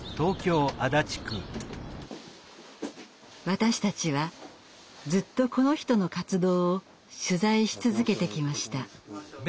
私たちはずっとこの人の活動を取材し続けてきました。